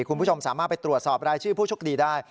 คุณผู้ชมสามารถไปตรวจสอบรายชื่อผู้โชคดีได้